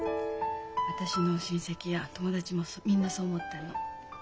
私の親戚や友達もみんなそう思ってるの。